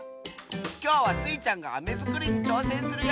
きょうはスイちゃんがアメづくりにちょうせんするよ！